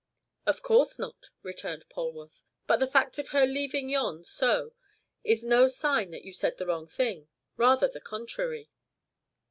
"Of course not," returned Polwarth. "But the fact of her leaving you so is no sign that you said the wrong thing, rather the contrary.